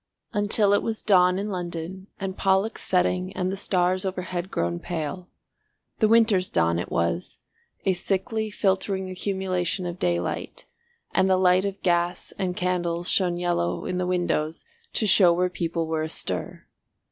Until it was dawn in London and Pollux setting and the stars overhead grown pale. The Winter's dawn it was, a sickly filtering accumulation of daylight, and the light of gas and candles shone yellow in the windows to show where people were astir.